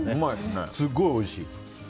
すごいおいしい。